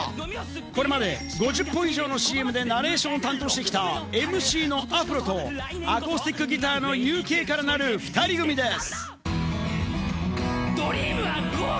これまで５０本以上のＣＭでナレーションを担当してきたＭＣのアフロとアコースティックギターのＵＫからなる２人組です。